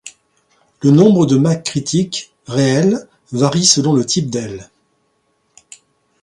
Le nombre de Mach critique réel varie selon le type d'aile.